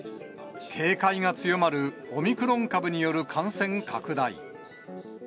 警戒が強まるオミクロン株による感染拡大。